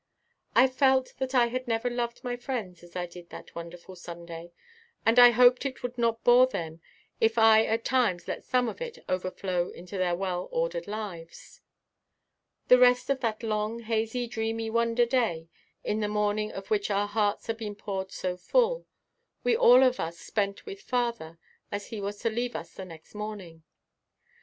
I felt that I had never loved my friends as I did that wonderful Sunday, and I hoped it would not bore them if I at times let some of it overflow into their well ordered lives. The rest of that long, hazy, dreamy, wonder day, in the morning of which our hearts had been poured so full, we all of us spent with father, as he was to leave us the next morning.